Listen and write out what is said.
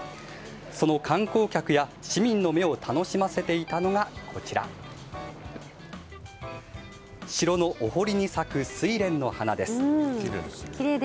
その観光客や市民の目を楽しませていたのが白のお堀に咲くスイレンの花です。